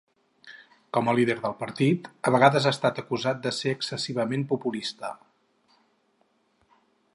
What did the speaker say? Com a líder del partit, a vegades ha estat acusat de ser excessivament populista.